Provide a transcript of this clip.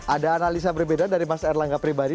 ada analisa berbeda dari mas erlangga pribadi